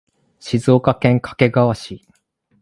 静岡県掛川市